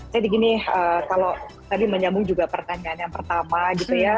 jadi gini kalau tadi menyambung juga pertanyaan yang pertama gitu ya